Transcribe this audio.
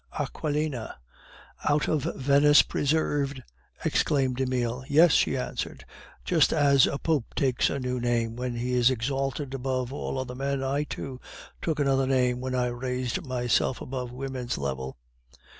"Aquilina." "Out of Venice Preserved!" exclaimed Emile. "Yes," she answered. "Just as a pope takes a new name when he is exalted above all other men, I, too, took another name when I raised myself above women's level."